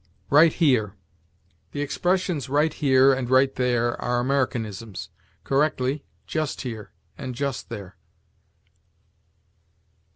RIGHT HERE. The expressions "right here" and "right there" are Americanisms. Correctly, "just here" and "just there."